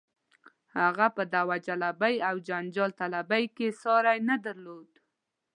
هغه په دعوه جلبۍ او جنجال طلبۍ کې یې ساری نه درلود.